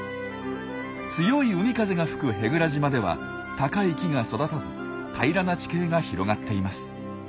強い海風が吹く舳倉島では高い木が育たず平らな地形が広がっています。